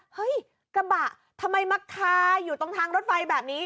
เฮ้ยกระบะทำไมมาคาอยู่ตรงทางรถไฟแบบนี้